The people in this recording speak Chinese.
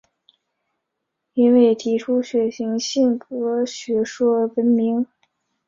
因为提出血型性格学说而闻名。